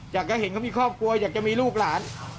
อยากให้เค้าเดี๋ยวกับมีครอบครัวอยากจะมีลูกหลาน